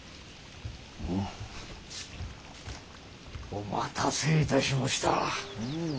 お待たせいたしもした。